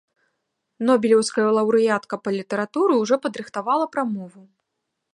Нобелеўская лаўрэатка па літаратуры ўжо падрыхтавала прамову.